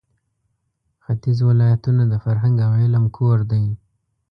ختیځ ولایتونه د فرهنګ او علم کور دی.